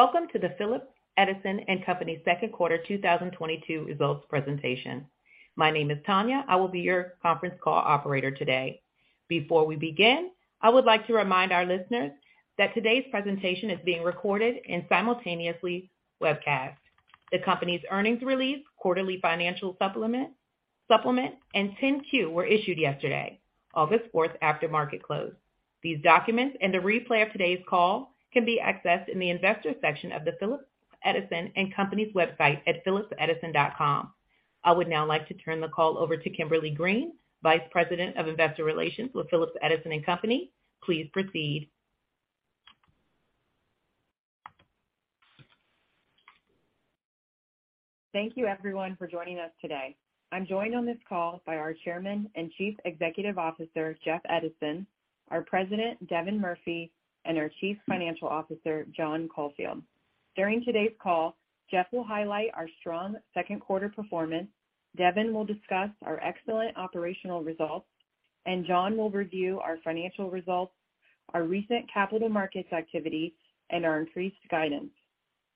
Welcome to the Phillips Edison & Company second quarter 2022 results presentation. My name is Tanya. I will be your conference call operator today. Before we begin, I would like to remind our listeners that today's presentation is being recorded and simultaneously webcast. The company's earnings release, quarterly financial supplement, and 10-Q were issued yesterday, August 4, after market close. These documents and a replay of today's call can be accessed in the investors section of the Phillips Edison & Company's website at phillipsedison.com. I would now like to turn the call over to Kimberly Green, Vice President of Investor Relations with Phillips Edison & Company. Please proceed. Thank you everyone for joining us today. I'm joined on this call by our Chairman and Chief Executive Officer, Jeff Edison, our President, Devin Murphy, and our Chief Financial Officer, John Caulfield. During today's call, Jeff will highlight our strong second quarter performance, Devin will discuss our excellent operational results, and John will review our financial results, our recent capital markets activities, and our increased guidance.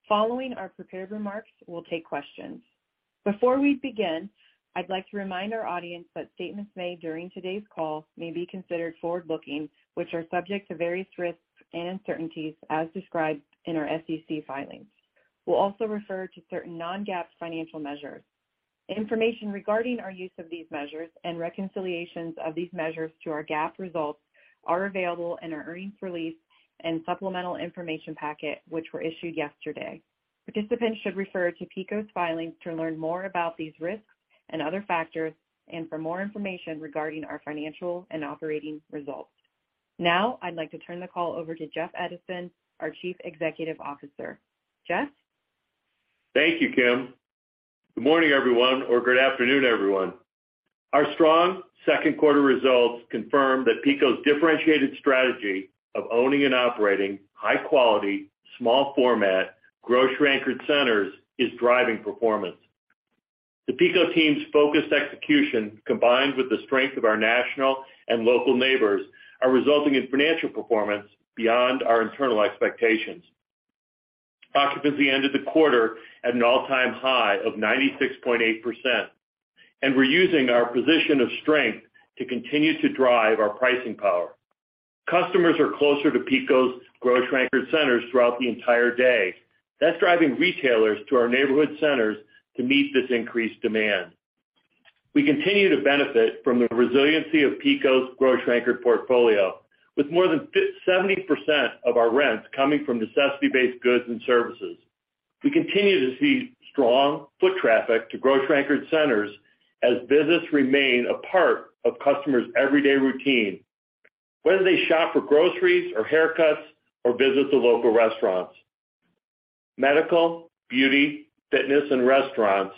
Following our prepared remarks, we'll take questions. Before we begin, I'd like to remind our audience that statements made during today's call may be considered forward-looking, which are subject to various risks and uncertainties as described in our SEC filings. We'll also refer to certain non-GAAP financial measures. Information regarding our use of these measures and reconciliations of these measures to our GAAP results are available in our earnings release and supplemental information packet, which were issued yesterday. Participants should refer to PECO's filings to learn more about these risks and other factors and for more information regarding our financial and operating results. Now I'd like to turn the call over to Jeff Edison, our Chief Executive Officer. Jeff? Thank you, Kim. Good morning, everyone, or good afternoon, everyone. Our strong second quarter results confirm that PECO's differentiated strategy of owning and operating high-quality, small format, grocery-anchored centers is driving performance. The PECO team's focused execution, combined with the strength of our national and local neighbors, are resulting in financial performance beyond our internal expectations. Occupancy ended the quarter at an all-time high of 96.8%, and we're using our position of strength to continue to drive our pricing power. Customers are closer to PECO's grocery-anchored centers throughout the entire day. That's driving retailers to our neighborhood centers to meet this increased demand. We continue to benefit from the resiliency of PECO's grocery-anchored portfolio, with more than 70% of our rents coming from necessity-based goods and services. We continue to see strong foot traffic to grocery-anchored centers as businesses remain a part of customers' everyday routine, whether they shop for groceries or haircuts or visit the local restaurants. Medical, beauty, fitness, and restaurants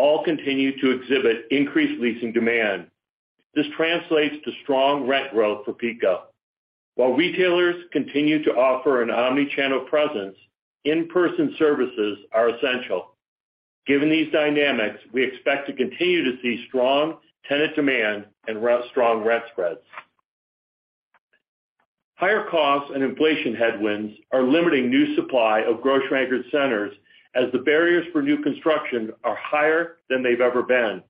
all continue to exhibit increased leasing demand. This translates to strong rent growth for PECO. While retailers continue to offer an omni-channel presence, in-person services are essential. Given these dynamics, we expect to continue to see strong tenant demand and strong rent spreads. Higher costs and inflation headwinds are limiting new supply of grocery-anchored centers as the barriers for new construction are higher than they've ever been.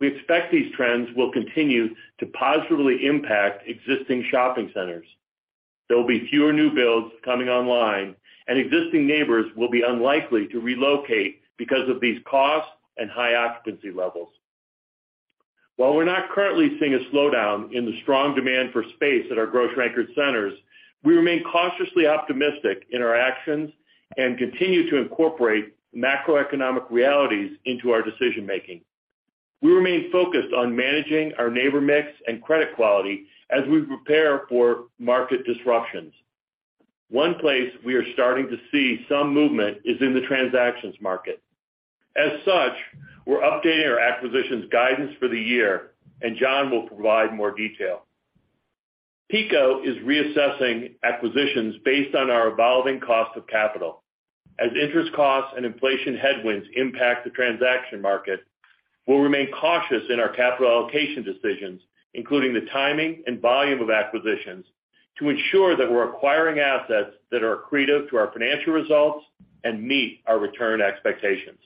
We expect these trends will continue to positively impact existing shopping centers. There will be fewer new builds coming online, and existing neighbors will be unlikely to relocate because of these costs and high occupancy levels. While we're not currently seeing a slowdown in the strong demand for space at our grocery-anchored centers, we remain cautiously optimistic in our actions and continue to incorporate macroeconomic realities into our decision-making. We remain focused on managing our neighbor mix and credit quality as we prepare for market disruptions. One place we are starting to see some movement is in the transactions market. As such, we're updating our acquisitions guidance for the year, and John will provide more detail. PECO is reassessing acquisitions based on our evolving cost of capital. As interest costs and inflation headwinds impact the transaction market, we'll remain cautious in our capital allocation decisions, including the timing and volume of acquisitions, to ensure that we're acquiring assets that are accretive to our financial results and meet our return expectations.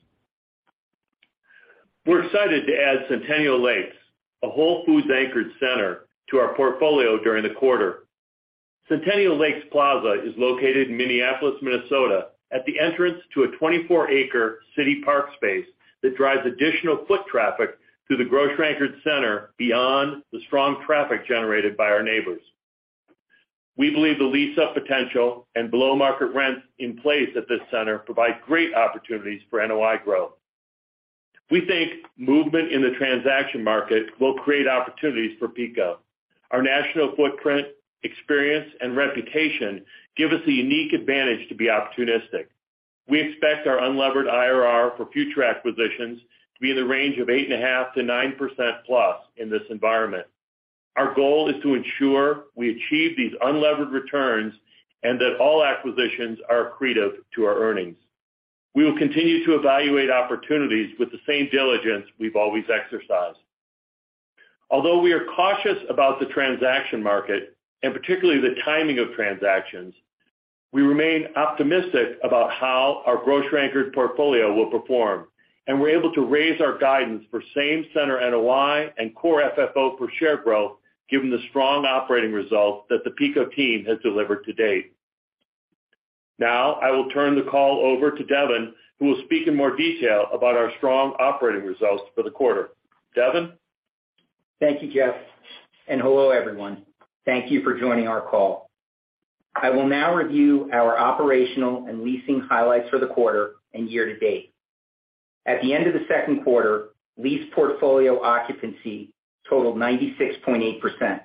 We're excited to add Centennial Lakes, a Whole Foods anchored center, to our portfolio during the quarter. Centennial Lakes Plaza is located in Minneapolis, Minnesota, at the entrance to a 24-acre city park space that drives additional foot traffic to the grocery anchored center beyond the strong traffic generated by our neighbors. We believe the lease up potential and below market rents in place at this center provide great opportunities for NOI growth. We think movement in the transaction market will create opportunities for PECO. Our national footprint, experience, and reputation give us a unique advantage to be opportunistic. We expect our unlevered IRR for future acquisitions to be in the range of 8.5%-9%+ in this environment. Our goal is to ensure we achieve these unlevered returns and that all acquisitions are accretive to our earnings. We will continue to evaluate opportunities with the same diligence we've always exercised. Although we are cautious about the transaction market, and particularly the timing of transactions, we remain optimistic about how our grocery-anchored portfolio will perform, and we're able to raise our guidance for Same-Center NOI and Core FFO per share growth given the strong operating results that the PECO team has delivered to date. Now I will turn the call over to Devin, who will speak in more detail about our strong operating results for the quarter. Devin? Thank you, Jeff, and hello everyone. Thank you for joining our call. I will now review our operational and leasing highlights for the quarter and year to date. At the end of the second quarter, lease portfolio occupancy totaled 96.8%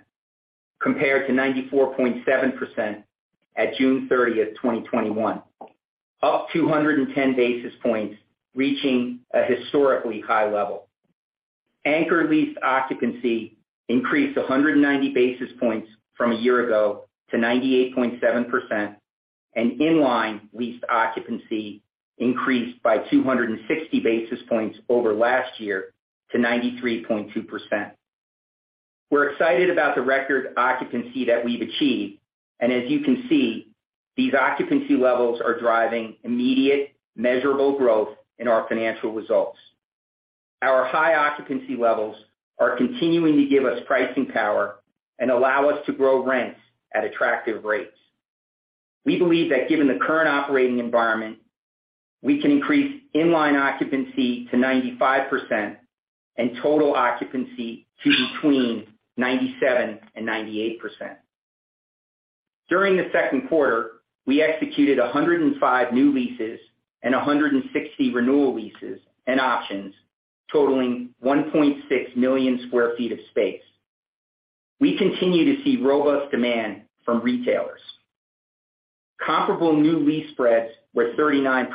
compared to 94.7% at June 30, 2021, up 210 basis points, reaching a historically high level. Anchor lease occupancy increased 190 basis points from a year ago to 98.7%, and in-line lease occupancy increased by 260 basis points over last year to 93.2%. We're excited about the record occupancy that we've achieved, and as you can see, these occupancy levels are driving immediate measurable growth in our financial results. Our high occupancy levels are continuing to give us pricing power and allow us to grow rents at attractive rates. We believe that given the current operating environment, we can increase in-line occupancy to 95% and total occupancy to between 97% and 98%. During the second quarter, we executed 105 new leases and 160 renewal leases and options totaling 1.6 million sq ft of space. We continue to see robust demand from retailers. Comparable new lease spreads were 39%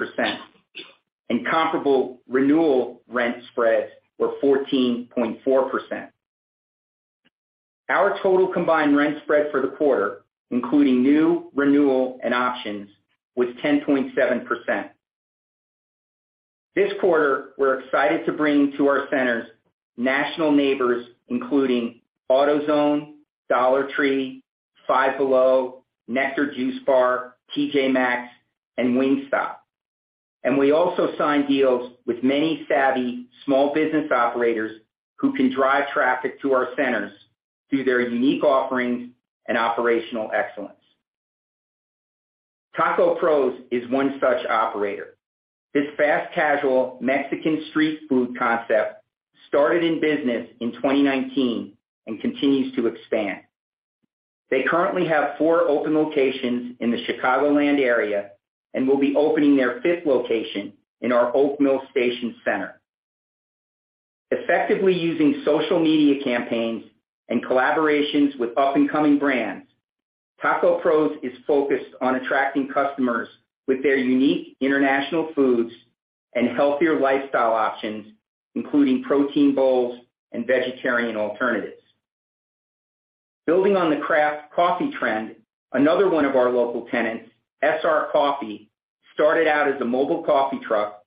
and comparable renewal rent spreads were 14.4%. Our total combined rent spread for the quarter, including new, renewal, and options, was 10.7%. This quarter, we're excited to bring to our centers national neighbors including AutoZone, Dollar Tree, Five Below, Nekter Juice Bar, TJ Maxx, and Wingstop. We also signed deals with many savvy small business operators who can drive traffic to our centers through their unique offerings and operational excellence. Taco Pros is one such operator. This fast casual Mexican street food concept started in business in 2019 and continues to expand. They currently have four open locations in the Chicagoland area and will be opening their fifth location in our Oak Mill Station center. Effectively using social media campaigns and collaborations with up-and-coming brands, Taco Pros is focused on attracting customers with their unique international foods and healthier lifestyle options, including protein bowls and vegetarian alternatives. Building on the craft coffee trend, another one of our local tenants, SR Coffee, started out as a mobile coffee truck,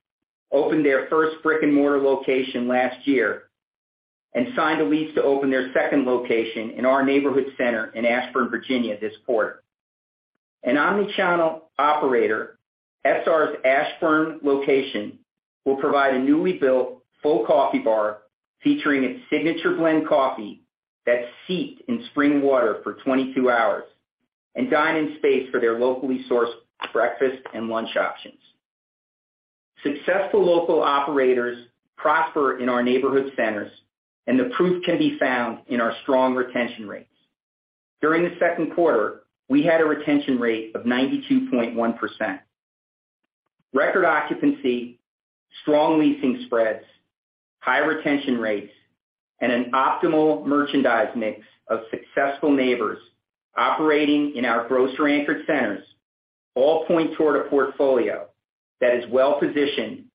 opened their first brick-and-mortar location last year, and signed a lease to open their second location in our neighborhood center in Ashburn, Virginia, this quarter. An omni-channel operator, SR's Ashburn location will provide a newly built full coffee bar featuring its signature blend coffee that's steeped in spring water for 22 hours and dine-in space for their locally sourced breakfast and lunch options. Successful local operators prosper in our neighborhood centers, and the proof can be found in our strong retention rates. During the second quarter, we had a retention rate of 92.1%. Record occupancy, strong leasing spreads, high retention rates, and an optimal merchandise mix of successful neighbors operating in our grocery-anchored centers all point toward a portfolio that is well-positioned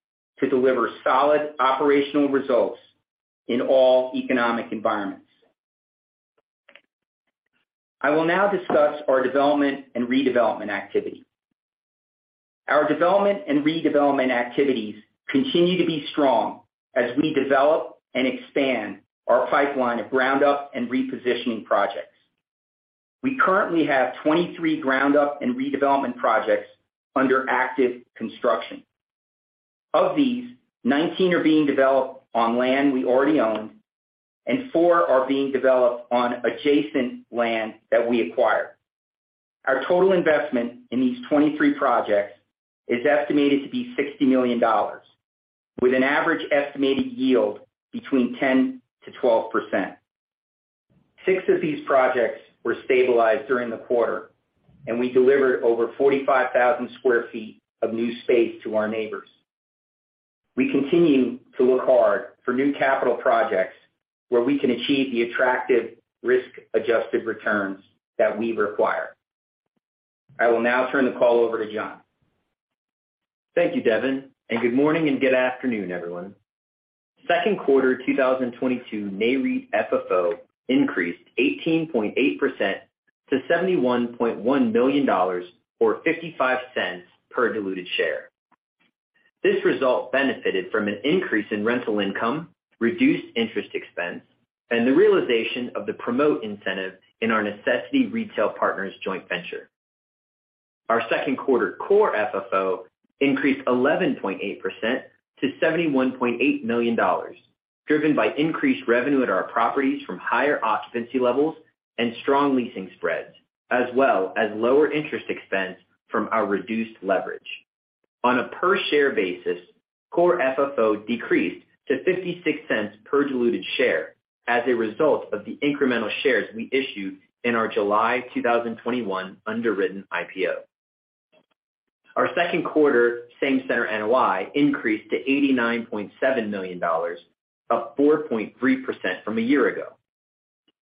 to deliver solid operational results in all economic environments. I will now discuss our development and redevelopment activity. Our development and redevelopment activities continue to be strong as we develop and expand our pipeline of ground-up and repositioning projects. We currently have 23 ground up and redevelopment projects under active construction. Of these, 19 are being developed on land we already own, and four are being developed on adjacent land that we acquired. Our total investment in these 23 projects is estimated to be $60 million with an average estimated yield between 10%-12%. Six of these projects were stabilized during the quarter, and we delivered over 45,000 sq ft of new space to our neighbors. We continue to look hard for new capital projects where we can achieve the attractive risk-adjusted returns that we require. I will now turn the call over to John. Thank you, Devin, and good morning and good afternoon, everyone. Second quarter of 2022, Nareit FFO increased 18.8% to $71.1 million or $0.55 per diluted share. This result benefited from an increase in rental income, reduced interest expense, and the realization of the promote incentive in our Necessity Retail Partners joint venture. Our second quarter Core FFO increased 11.8% to $71.8 million, driven by increased revenue at our properties from higher occupancy levels and strong leasing spreads, as well as lower interest expense from our reduced leverage. On a per share basis, Core FFO decreased to $0.56 per diluted share as a result of the incremental shares we issued in our July 2021 underwritten IPO. Our second quarter same-center NOI increased to $89.7 million, up 4.3% from a year ago.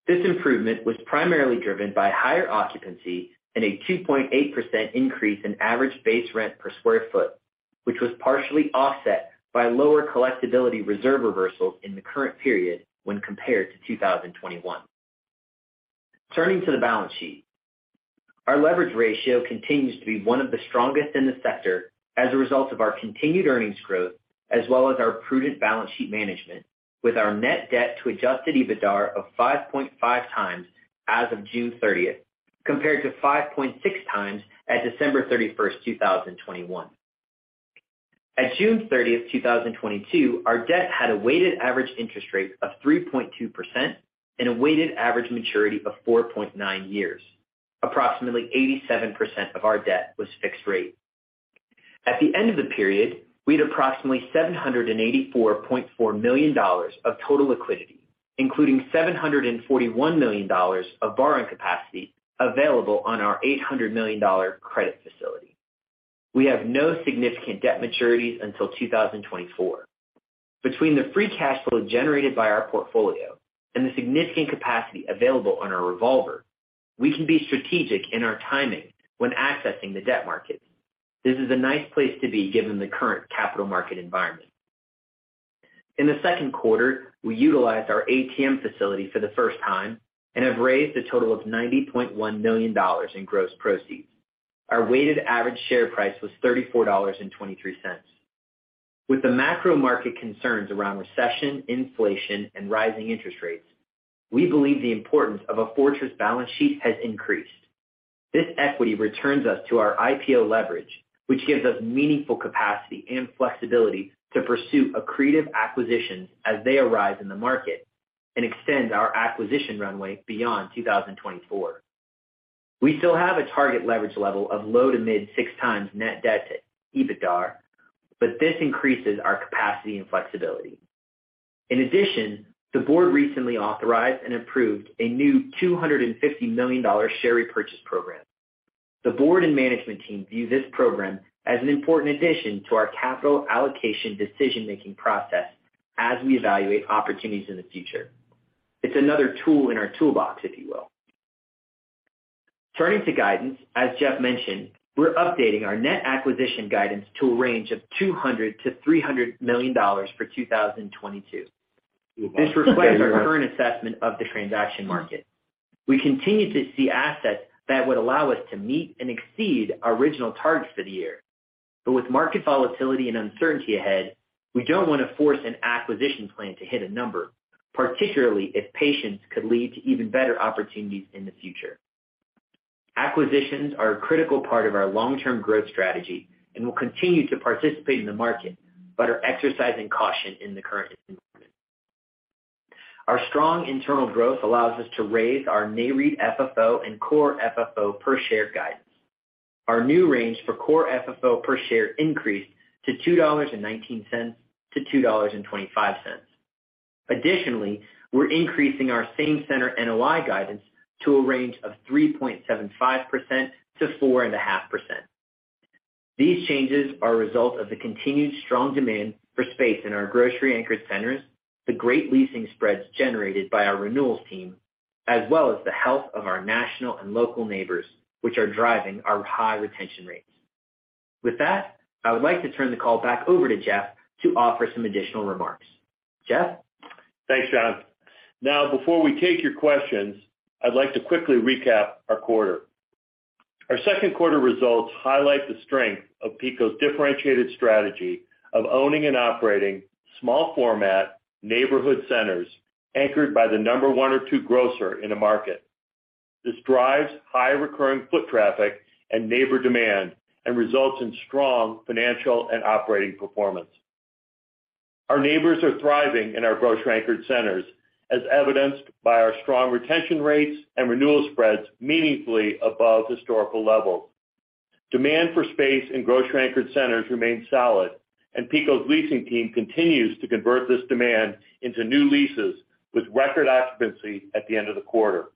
This improvement was primarily driven by higher occupancy and a 2.8% increase in average base rent per square foot, which was partially offset by lower collectibility reserve reversals in the current period when compared to 2021. Turning to the balance sheet. Our leverage ratio continues to be one of the strongest in the sector as a result of our continued earnings growth as well as our prudent balance sheet management, with our net debt to adjusted EBITDAR of 5.5x as of June 30th, compared to 5.6x at December 31st, 2021. At June 30, 2022, our debt had a weighted average interest rate of 3.2% and a weighted average maturity of 4.9 years. Approximately 87% of our debt was fixed rate. At the end of the period, we had approximately $784.4 million of total liquidity, including $741 million of borrowing capacity available on our $800 million credit facility. We have no significant debt maturities until 2024. Between the free cash flow generated by our portfolio and the significant capacity available on our revolver, we can be strategic in our timing when accessing the debt market. This is a nice place to be given the current capital market environment. In the second quarter, we utilized our ATM facility for the first time and have raised a total of $90.1 million in gross proceeds. Our weighted average share price was $34.23. With the macro market concerns around recession, inflation, and rising interest rates, we believe the importance of a fortress balance sheet has increased. This equity returns us to our IPO leverage, which gives us meaningful capacity and flexibility to pursue accretive acquisitions as they arise in the market and extend our acquisition runway beyond 2024. We still have a target leverage level of low- to mid-6x net debt to EBITDAR, but this increases our capacity and flexibility. In addition, the board recently authorized and approved a new $250 million share repurchase program. The board and management team view this program as an important addition to our capital allocation decision-making process as we evaluate opportunities in the future. It's another tool in our toolbox, if you will. Turning to guidance, as Jeff mentioned, we're updating our net acquisition guidance to a range of $200 million-$300 million for 2022. This reflects our current assessment of the transaction market. We continue to see assets that would allow us to meet and exceed our original targets for the year. With market volatility and uncertainty ahead, we don't want to force an acquisition plan to hit a number, particularly if patience could lead to even better opportunities in the future. Acquisitions are a critical part of our long-term growth strategy and will continue to participate in the market, but are exercising caution in the current environment. Our strong internal growth allows us to raise our Nareit FFO and Core FFO per share guidance. Our new range for Core FFO per share increased to $2.19-$2.25. Additionally, we're increasing our same-center NOI guidance to a range of 3.75%-4.5%. These changes are a result of the continued strong demand for space in our grocery-anchored centers, the great leasing spreads generated by our renewals team, as well as the health of our national and local neighbors, which are driving our high retention rates. With that, I would like to turn the call back over to Jeff to offer some additional remarks. Jeff? Thanks, John. Now, before we take your questions, I'd like to quickly recap our quarter. Our second quarter results highlight the strength of PECO's differentiated strategy of owning and operating small format neighborhood centers anchored by the number one or two grocer in a market. This drives high recurring foot traffic and neighbor demand and results in strong financial and operating performance. Our neighbors are thriving in our grocery anchored centers, as evidenced by our strong retention rates and renewal spreads meaningfully above historical levels. Demand for space in grocery anchored centers remains solid, and PECO's leasing team continues to convert this demand into new leases with record occupancy at the end of the quarter.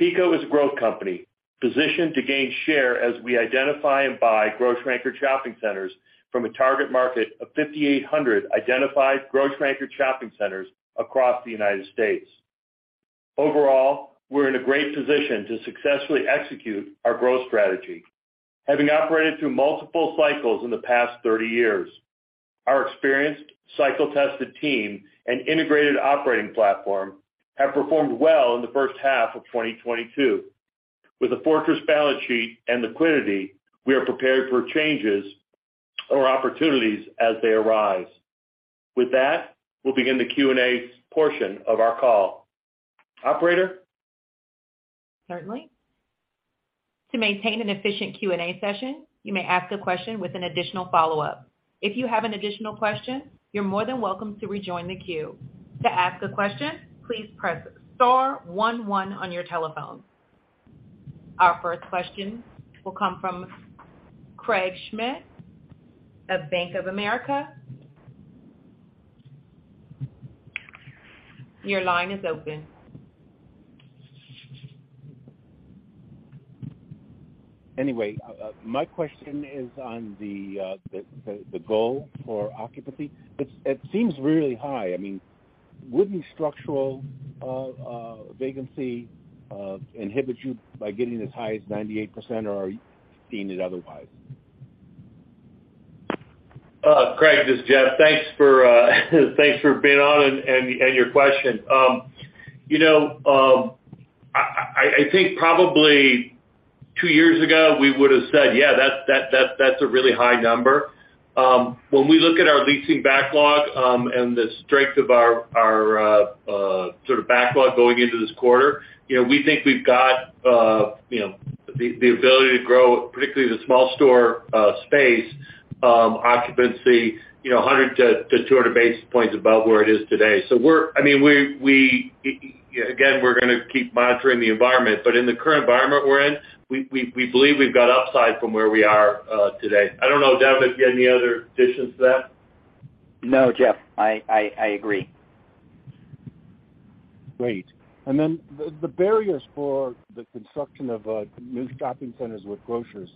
PECO is a growth company positioned to gain share as we identify and buy grocery anchored shopping centers from a target market of 5,800 identified grocery anchored shopping centers across the United States. Overall, we're in a great position to successfully execute our growth strategy. Having operated through multiple cycles in the past 30 years. Our experienced cycle-tested team and integrated operating platform have performed well in the first half of 2022. With a fortress balance sheet and liquidity, we are prepared for changes or opportunities as they arise. With that, we'll begin the Q&A portion of our call. Operator? Certainly. To maintain an efficient Q&A session, you may ask a question with an additional follow-up. If you have an additional question, you're more than welcome to rejoin the queue. To ask a question, please press star one one on your telephone. Our first question will come from Craig Schmidt of Bank of America. Your line is open. Anyway, my question is on the goal for occupancy. It seems really high. I mean, wouldn't structural vacancy inhibit you by getting as high as 98%, or are you seeing it otherwise? Craig, this is Jeff. Thanks for being on and your question. You know, I think probably two years ago we would have said, yeah, that's a really high number. When we look at our leasing backlog and the strength of our sort of backlog going into this quarter, you know, we think we've got you know, the ability to grow, particularly the small store space occupancy, you know, 100 to 200 basis points above where it is today. I mean, we're gonna keep monitoring the environment, but in the current environment we're in, we believe we've got upside from where we are today. I don't know, Devin, if you have any other additions to that. No, Jeff. I agree. Great. The barriers for the construction of new shopping centers with grocers,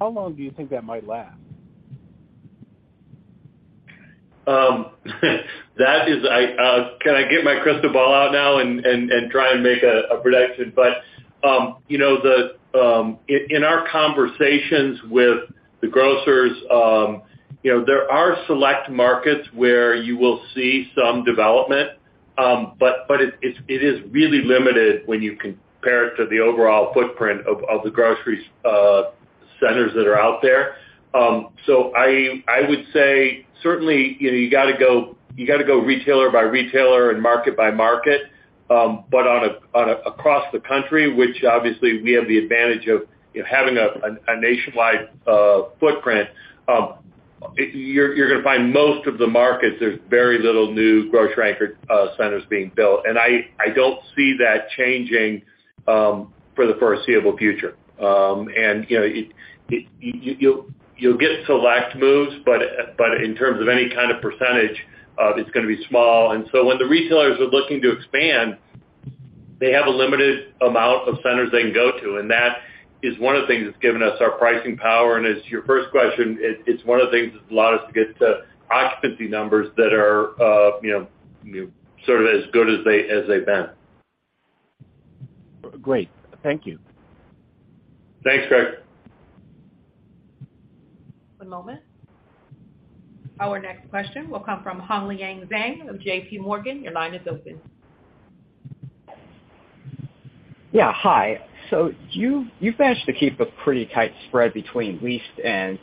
how long do you think that might last? Can I get my crystal ball out now and try and make a prediction? In our conversations with the grocers, you know, there are select markets where you will see some development, but it is really limited when you compare it to the overall footprint of the grocery centers that are out there. I would say certainly, you know, you gotta go retailer by retailer and market by market. On an across-the-country, which obviously we have the advantage of, you know, having a nationwide footprint, you're gonna find most of the markets, there's very little new grocery-anchored centers being built. I don't see that changing for the foreseeable future. You know, you'll get select moves, but in terms of any kind of percentage, it's gonna be small. When the retailers are looking to expand, they have a limited amount of centers they can go to, and that is one of the things that's given us our pricing power. As to your first question, it's one of the things that's allowed us to get to occupancy numbers that are, you know, sort of as good as they've been. Great. Thank you. Thanks, Craig. One moment. Our next question will come from Hongliang Zhang of JPMorgan. Your line is open. Yeah. Hi. You've managed to keep a pretty tight spread between leased and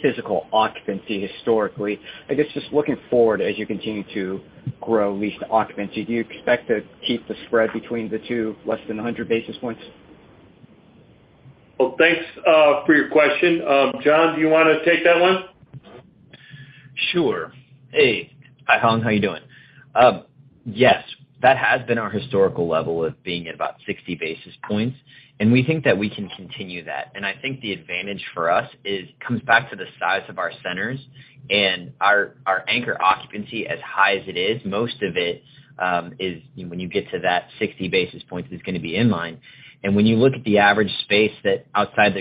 physical occupancy historically. I guess just looking forward as you continue to grow leased occupancy, do you expect to keep the spread between the two less than 100 basis points? Well, thanks, for your question. John, do you wanna take that one? Sure. Hey. Hi, Hong. How you doing? Yes, that has been our historical level of being at about 60 basis points, and we think that we can continue that. I think the advantage for us it comes back to the size of our centers and our anchor occupancy as high as it is. Most of it is, you know, when you get to that 60 basis points is gonna be in line. When you look at the average space that's outside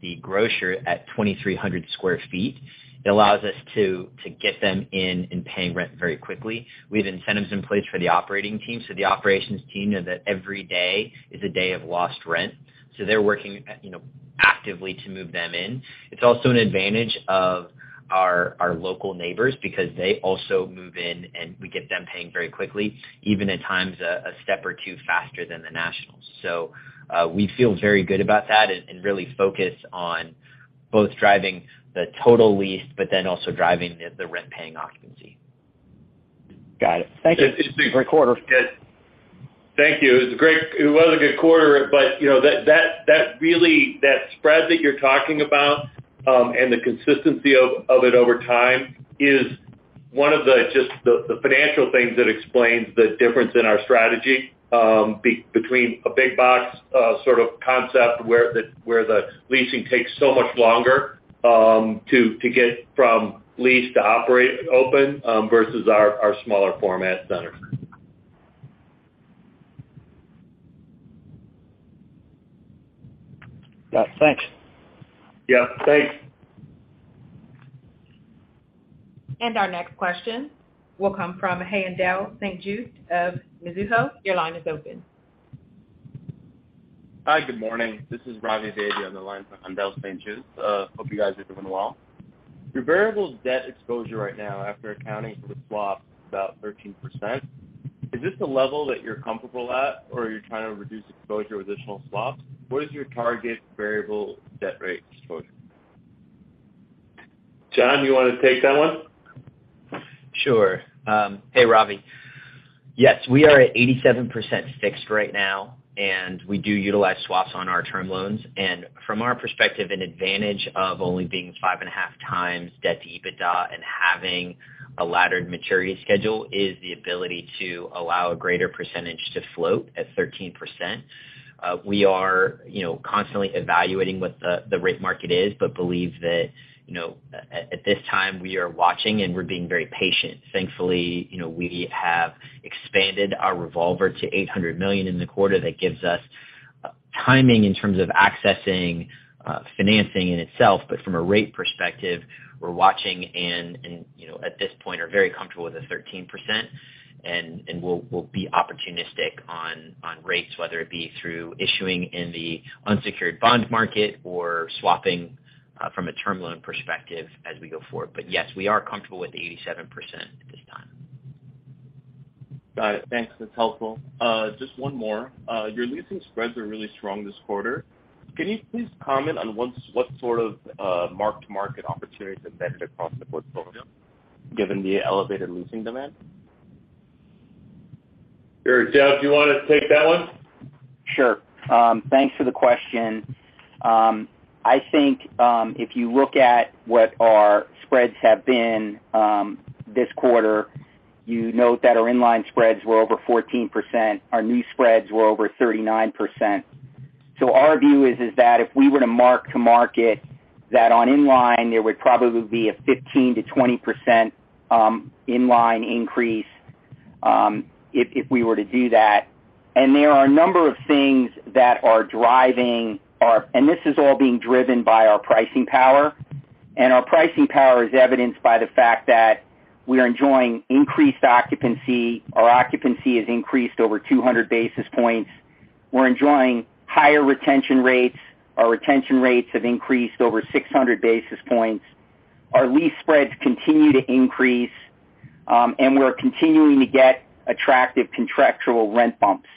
the grocer at 2,300 sq ft, it allows us to get them in and paying rent very quickly. We have incentives in place for the operating team. The operations team know that every day is a day of lost rent, so they're working, you know, actively to move them in. It's also an advantage of our local neighbors because they also move in, and we get them paying very quickly, even at times a step or two faster than the nationals. We feel very good about that and really focus on both driving the total lease but then also driving the rent-paying occupancy. Got it. Thank you. Great quarter. Thank you. It was a good quarter, but you know that spread that you're talking about and the consistency of it over time is one of the just the financial things that explains the difference in our strategy between a big box sort of concept where the leasing takes so much longer to get from lease to operate open versus our smaller format centers. Yeah. Thanks. Yeah. Thanks. Our next question will come from Haendel St. Juste of Mizuho. Your line is open. Hi, good morning. This is Ravi Vaidya on the line for Haendel St. Juste. Hope you guys are doing well. Your variable debt exposure right now after accounting for the swap is about 13%. Is this the level that you're comfortable at, or you're trying to reduce exposure with additional swaps? What is your target variable debt rate exposure? John, you wanna take that one? Sure. Hey, Ravi. Yes, we are at 87% fixed right now, and we do utilize swaps on our term loans. From our perspective, an advantage of only being 5.5x debt to EBITDA and having a laddered maturity schedule is the ability to allow a greater percentage to float at 13%. We are, you know, constantly evaluating what the rate market is, but believe that, you know, at this time, we are watching, and we're being very patient. Thankfully, you know, we have expanded our revolver to $800 million in the quarter that gives us timing in terms of accessing financing in itself, but from a rate perspective, we're watching and, you know, at this point are very comfortable with the 13%. We'll be opportunistic on rates, whether it be through issuing in the unsecured bond market or swapping from a term loan perspective as we go forward. Yes, we are comfortable with the 87% at this time. Got it. Thanks. That's helpful. Just one more. Your leasing spreads are really strong this quarter. Can you please comment on what sort of mark-to-market opportunities are embedded across the portfolio given the elevated leasing demand? Sure. Dev, do you wanna take that one? Sure. Thanks for the question. I think if you look at what our spreads have been this quarter, you note that our in-line spreads were over 14%. Our new spreads were over 39%. Our view is that if we were to mark to market that on in-line, there would probably be a 15%-20% in-line increase if we were to do that. There are a number of things that are driving our pricing power. This is all being driven by our pricing power. Our pricing power is evidenced by the fact that we are enjoying increased occupancy. Our occupancy has increased over 200 basis points. We're enjoying higher retention rates. Our retention rates have increased over 600 basis points. Our lease spreads continue to increase, and we're continuing to get attractive contractual rent bumps.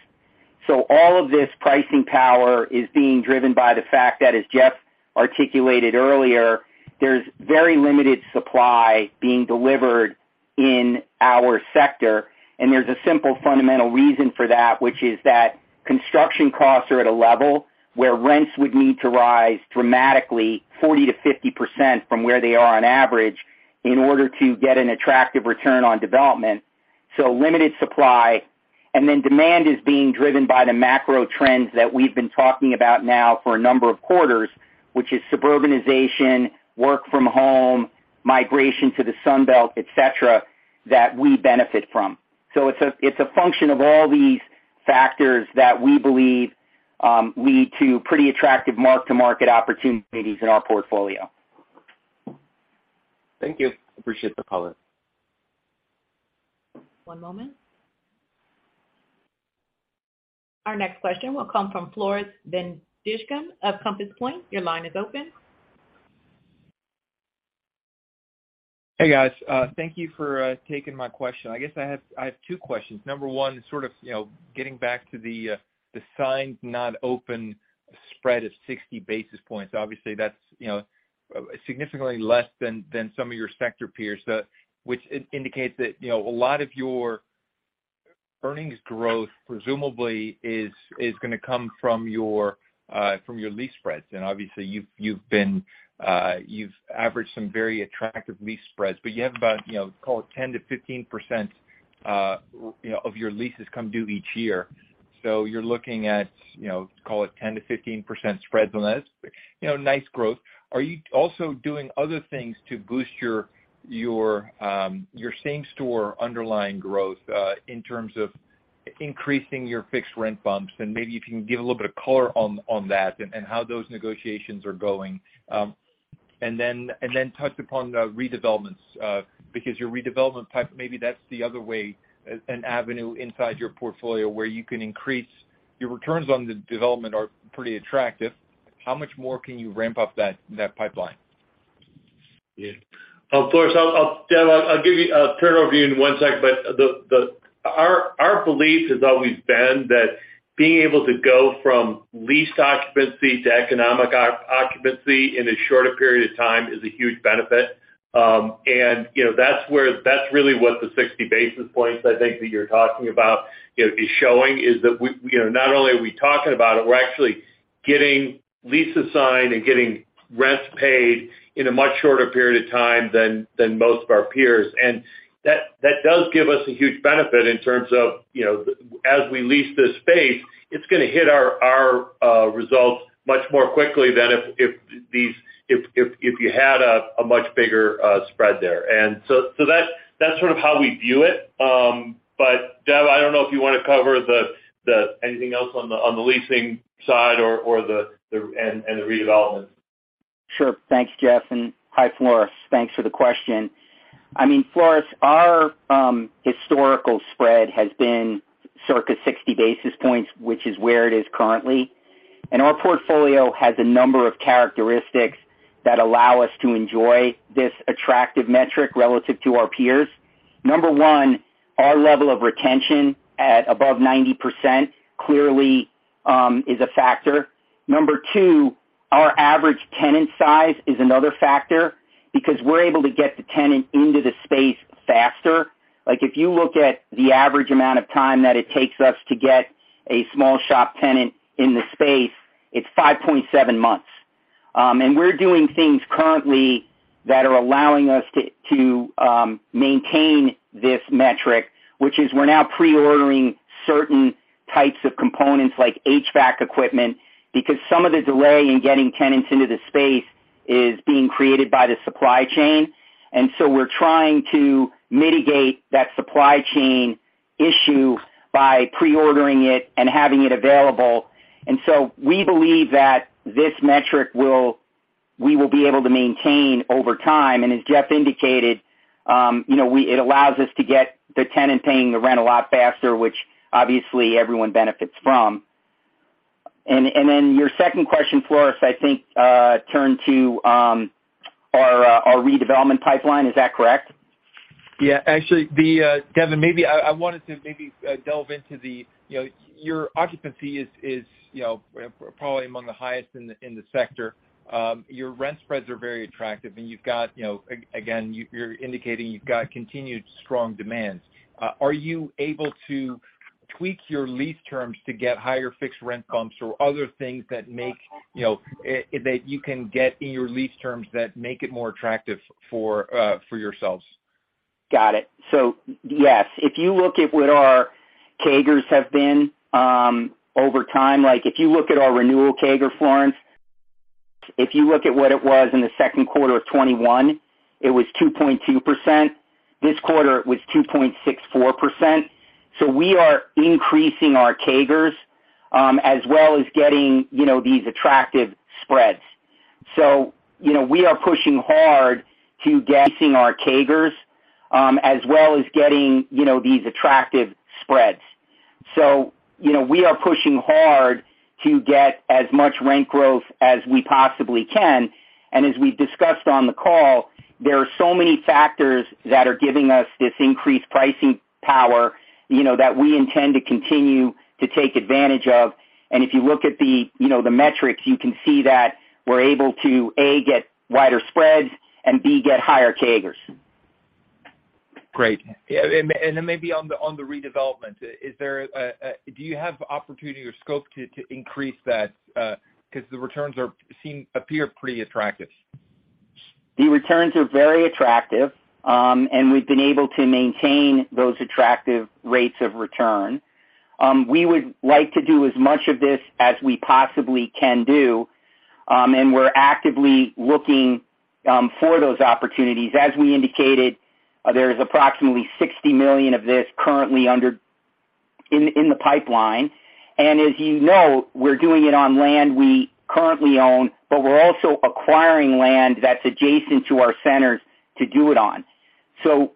All of this pricing power is being driven by the fact that, as Jeff Edison articulated earlier, there's very limited supply being delivered in our sector, and there's a simple fundamental reason for that, which is that construction costs are at a level where rents would need to rise dramatically 40%-50% from where they are on average in order to get an attractive return on development. Limited supply, and then demand is being driven by the macro trends that we've been talking about now for a number of quarters, which is suburbanization, work from home, migration to the Sun Belt, et cetera, that we benefit from. It's a function of all these factors that we believe lead to pretty attractive mark-to-market opportunities in our portfolio. Thank you. Appreciate the color. One moment. Our next question will come from Floris van Dijkum of Compass Point. Your line is open. Hey, guys. Thank you for taking my question. I guess I have two questions. Number one, sort of, you know, getting back to the signed not open spread of 60 basis points. Obviously, that's, you know, significantly less than some of your sector peers, which indicates that, you know, a lot of your earnings growth presumably is gonna come from your lease spreads. Obviously, you've averaged some very attractive lease spreads, but you have about, you know, call it 10%-15% of your leases come due each year. You're looking at, you know, call it 10%-15% spreads on this nice growth. Are you also doing other things to boost your same-store underlying growth in terms of increasing your fixed rent bumps? Maybe if you can give a little bit of color on that and how those negotiations are going. Then touch upon the redevelopments, because your redevelopment pipeline, maybe that's the other way, an avenue inside your portfolio where you can increase your returns on the development are pretty attractive. How much more can you ramp up that pipeline? Yeah. Floris, I'll turn it over to you in one sec. Our belief has always been that being able to go from lease occupancy to economic occupancy in a shorter period of time is a huge benefit. You know, that's really what the 60 basis points I think that you're talking about is showing, is that we, you know, not only are we talking about it, we're actually getting leases signed and getting rents paid in a much shorter period of time than most of our peers. That does give us a huge benefit in terms of, you know, as we lease this space, it's gonna hit our results much more quickly than if you had a much bigger spread there. That's sort of how we view it. Dev, I don't know if you wanna cover anything else on the leasing side or the redevelopment. Sure. Thanks, Jeff, and hi, Floris. Thanks for the question. I mean, Floris, our historical spread has been circa 60 basis points, which is where it is currently. Our portfolio has a number of characteristics that allow us to enjoy this attractive metric relative to our peers. Number one, our level of retention at above 90% clearly is a factor. Number two, our average tenant size is another factor because we're able to get the tenant into the space faster. Like, if you look at the average amount of time that it takes us to get a small shop tenant in the space, it's 5.7 months. We're doing things currently that are allowing us to maintain this metric, which is we're now pre-ordering certain types of components like HVAC equipment, because some of the delay in getting tenants into the space is being created by the supply chain. We're trying to mitigate that supply chain issue by pre-ordering it and having it available. We believe that we will be able to maintain this metric over time. As Jeff indicated, you know, it allows us to get the tenant paying the rent a lot faster, which obviously everyone benefits from. Your second question, Floris, I think turned to our redevelopment pipeline. Is that correct? Yeah. Actually, Devin, maybe I wanted to maybe delve into the, you know, your occupancy is, you know, probably among the highest in the sector. Your rent spreads are very attractive, and you've got, you know, again, you're indicating you've got continued strong demands. Are you able to tweak your lease terms to get higher fixed rent bumps or other things that make, you know, that you can get in your lease terms that make it more attractive for yourselves? Got it. Yes, if you look at what our CAGRs have been, over time, like if you look at our renewal CAGR, Floris, if you look at what it was in the second quarter of 2021, it was 2.2%. This quarter it was 2.64%. We are increasing our CAGRs, as well as getting, you know, these attractive spreads. You know, we are pushing hard to getting our CAGRs, as well as getting, you know, these attractive spreads. You know, we are pushing hard to get as much rent growth as we possibly can. As we discussed on the call, there are so many factors that are giving us this increased pricing power, you know, that we intend to continue to take advantage of. If you look at the, you know, the metrics, you can see that we're able to, A, get wider spreads, and B, get higher CAGRs. Great. Yeah, and then maybe on the redevelopment, do you have opportunity or scope to increase that? 'Cause the returns appear pretty attractive. The returns are very attractive, and we've been able to maintain those attractive rates of return. We would like to do as much of this as we possibly can do, and we're actively looking for those opportunities. As we indicated, there is approximately $60 million of this currently in the pipeline. As you know, we're doing it on land we currently own, but we're also acquiring land that's adjacent to our centers to do it on.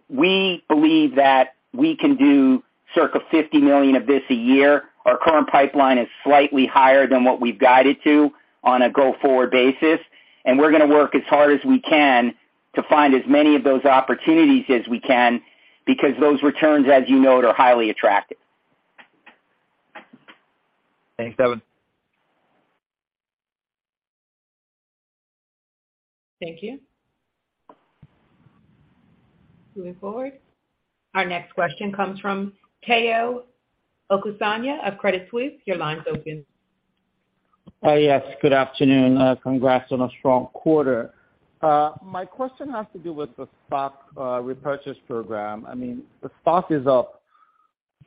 We believe that we can do circa $50 million of this a year. Our current pipeline is slightly higher than what we've guided to on a go-forward basis, and we're gonna work as hard as we can to find as many of those opportunities as we can because those returns, as you know, are highly attractive. Thanks, Devin. Thank you. Moving forward. Our next question comes from Tayo Okusanya of Credit Suisse. Your line's open. Yes, good afternoon. Congrats on a strong quarter. My question has to do with the stock repurchase program. I mean, the stock is up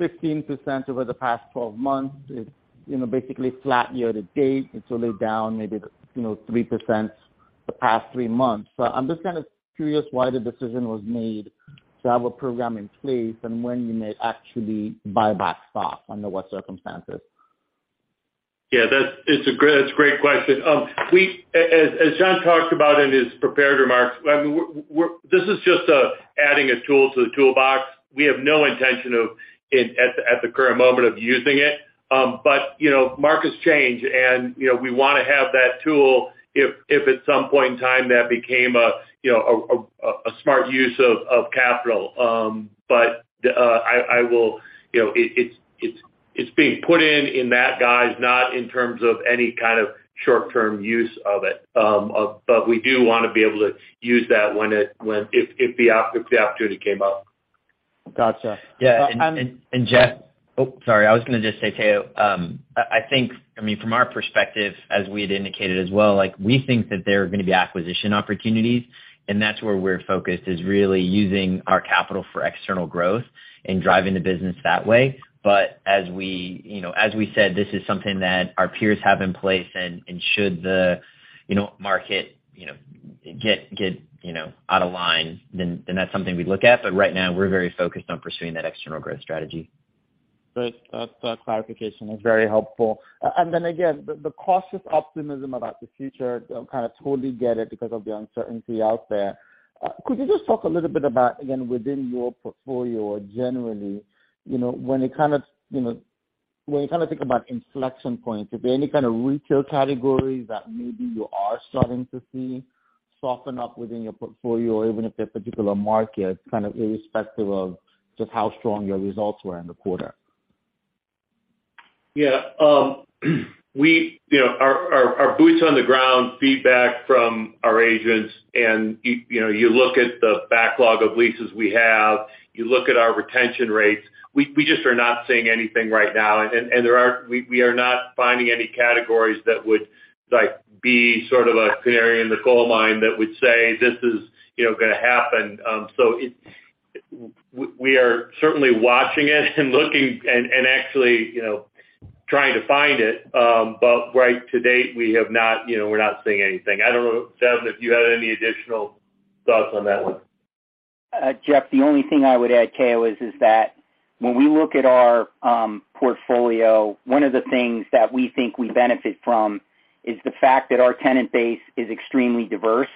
15% over the past 12 months. It's, you know, basically flat year to date. It's only down maybe, you know, 3% the past three months. I'm just kind of curious why the decision was made to have a program in place and when you may actually buy back stock under what circumstances. Yeah, it's a great question. As John talked about in his prepared remarks, I mean, this is just adding a tool to the toolbox. We have no intention of, at the current moment, of using it. You know, markets change, and you know, we wanna have that tool if at some point in time that became a, you know, a smart use of capital. You know, it's being put in that guise, not in terms of any kind of short-term use of it. We do wanna be able to use that if the opportunity came up. Gotcha. Tayo, I think, I mean, from our perspective, as we had indicated as well, like we think that there are gonna be acquisition opportunities, and that's where we're focused, is really using our capital for external growth and driving the business that way. As we, you know, as we said, this is something that our peers have in place, and should the, you know, market, you know, get, you know, out of line, then that's something we'd look at. Right now, we're very focused on pursuing that external growth strategy. Great. That clarification is very helpful. Again, the cautious optimism about the future, I kind of totally get it because of the uncertainty out there. Could you just talk a little bit about, again, within your portfolio or generally, you know, when you kind of think about inflection points, if there are any kind of retail categories that maybe you are starting to see soften up within your portfolio, even if they're a particular market, kind of irrespective of just how strong your results were in the quarter? Yeah, you know, our boots on the ground feedback from our agents and you know, you look at the backlog of leases we have, you look at our retention rates. We just are not seeing anything right now. We are not finding any categories that would, like, be sort of a canary in the coal mine that would say, this is, you know, gonna happen. We are certainly watching it and looking and, actually, you know, trying to find it. To date, we have not, you know, we're not seeing anything. I don't know, Devin, if you had any additional thoughts on that one. Jeff, the only thing I would add, Tayo, is that when we look at our portfolio, one of the things that we think we benefit from is the fact that our tenant base is extremely diverse,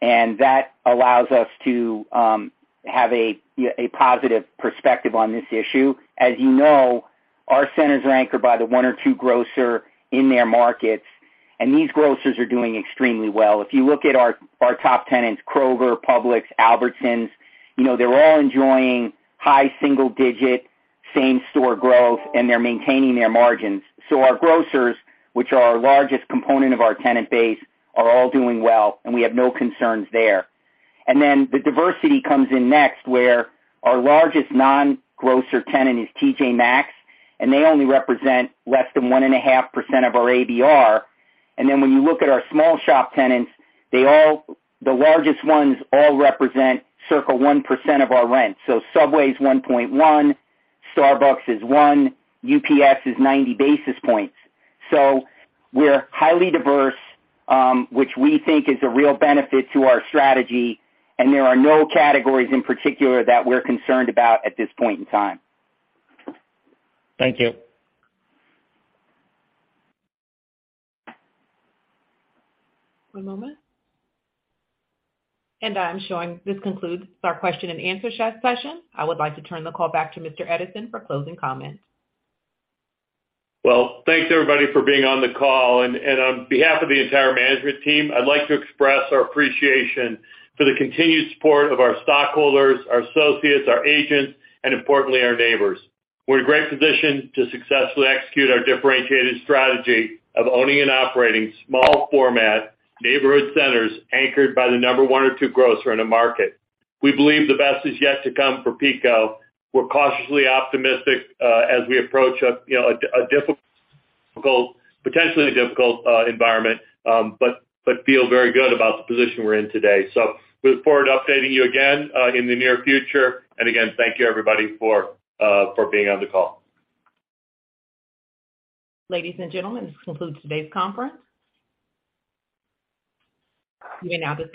and that allows us to have a positive perspective on this issue. As you know, our centers are anchored by the one or two grocer in their markets, and these grocers are doing extremely well. If you look at our top tenants, Kroger, Publix, Albertsons, you know, they're all enjoying high single-digit same-store growth, and they're maintaining their margins. Our grocers, which are our largest component of our tenant base, are all doing well, and we have no concerns there. The diversity comes in next, where our largest non-grocer tenant is TJ Maxx, and they only represent less than 1.5% of our ABR. When you look at our small shop tenants, the largest ones all represent circa 1% of our rent. Subway is 1.1%, Starbucks is 1%, UPS is 90 basis points. We're highly diverse, which we think is a real benefit to our strategy, and there are no categories in particular that we're concerned about at this point in time. Thank you. One moment. I'm showing this concludes our question and answer session. I would like to turn the call back to Mr. Edison for closing comments. Well, thanks, everybody, for being on the call. On behalf of the entire management team, I'd like to express our appreciation for the continued support of our stockholders, our associates, our agents, and importantly, our neighbors. We're in great position to successfully execute our differentiated strategy of owning and operating small format neighborhood centers anchored by the one or two grocer in the market. We believe the best is yet to come for PECO. We're cautiously optimistic, as we approach a, you know, difficult, potentially difficult, environment, but feel very good about the position we're in today. Look forward to updating you again, in the near future. Again, thank you, everybody, for being on the call. Ladies and gentlemen, this concludes today's conference. You may now disconnect.